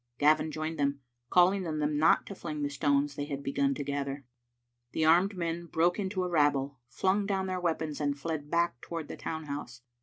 Gavin joined them, calling on them not to fling the stones the)' had begun to gather. The armed men broke into a rabble, flung down their weapons, and fled back towards the town house.